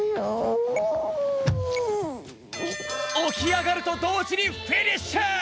おきあがるとどうじにフィニッシュ！